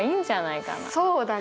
そうだね。